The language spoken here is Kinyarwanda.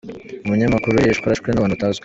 Umunyamakuru yishwe arashwe n’abantu batazwi